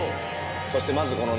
そしてまずこの。